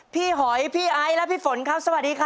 หอยพี่ไอซ์และพี่ฝนครับสวัสดีครับ